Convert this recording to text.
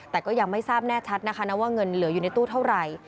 แต่ก็ยังไม่ทราบแน่ชัดนะคะว่าเงินเหลืออยู่ในตู้เท่าไหร่